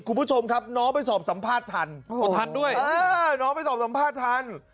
คุณผู้ชมครับน้องไปสอบสัมภาษณ์ทันขอทันด้วยน้องไปสอบสัมภาษณ์ทัน